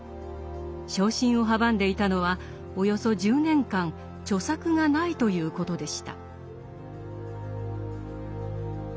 昇進を阻んでいたのはおよそ１０年間著作がないということでした。